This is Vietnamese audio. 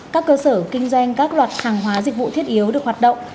các cơ sở kinh doanh các loại hàng hóa dịch vụ thiết yếu được hoạt động